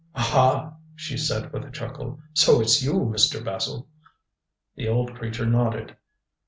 "Ah!" she said, with a chuckle. "So it's you, Mr. Basil." The old creature nodded.